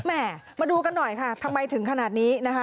มาดูกันหน่อยค่ะทำไมถึงขนาดนี้นะคะ